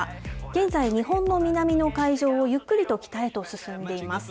現在、日本の南の海上をゆっくりと北へと進んでいます。